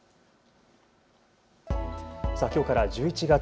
きょうから１１月。